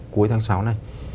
cuối tháng sáu này